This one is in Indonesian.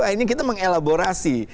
akhirnya kita mengelaborasi